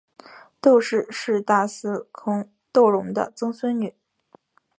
窦氏是大司空窦融的曾孙女。